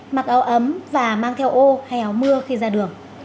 mặc áo ấm và mang theo ô hay áo mưa khi ra đường